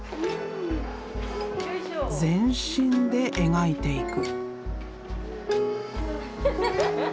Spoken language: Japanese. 全身で描いていく。